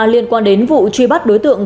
liên quan đến vụ truy bắt đối tượng